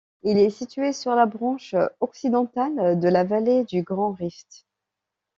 Il est situé sur la branche occidentale de la vallée du Grand Rift.